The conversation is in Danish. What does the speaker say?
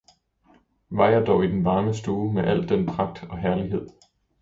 Var jeg dog i den varme stue med al den pragt og herlighed!